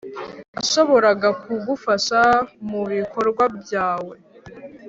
nashoboraga kugufasha mubikorwa byawe